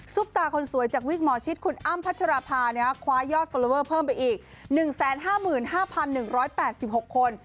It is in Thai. ตาคนสวยจากวิกหมอชิดคุณอ้ำพัชราภาคว้ายอดฟอลลอเวอร์เพิ่มไปอีก๑๕๕๑๘๖คน